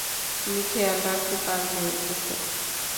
তুমি খেয়াল রাখতে পারবে, ওকে?